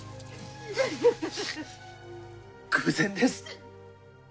偶然です。